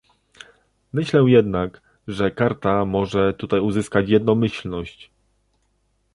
Myślę jednak, że Karta może tutaj uzyskać jednomyślność